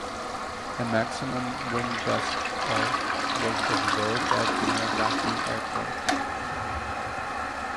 A maximum wind gust of was observed at Miyazaki Airport.